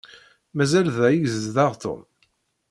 Mazal da i yezdeɣ Tom?